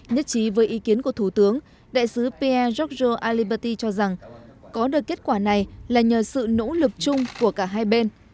nhất trí với ý kiến của thủ tướng đại sứ pierre georgio aliberti cho rằng có được kết quả này là nhờ sự nỗ lực chung của cả hai bên